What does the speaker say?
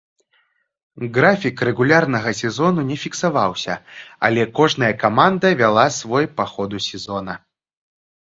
Графік рэгулярнага сезону не фіксаваўся, але кожная каманда вяла свой па ходу сезона.